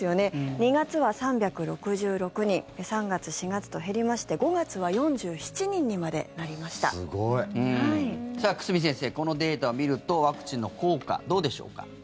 ２月は３６６人３月、４月と減りましてすごい。さあ、久住先生このデータを見るとワクチンの効果どうでしょうか。